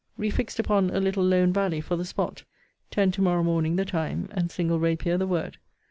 We fixed upon a little lone valley for the spot ten to morrow morning the time and single rapier the word.